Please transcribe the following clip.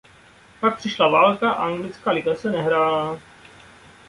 Pak přišla válka a anglická liga se nehrála.